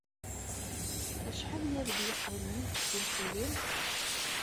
Acḥal ay ak-d-yeqqimen d tinfulin?